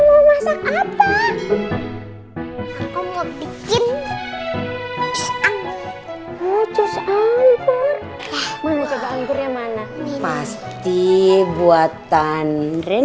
mau masak apa